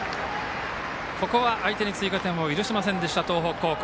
ここは相手に追加点を許さなかった東北高校。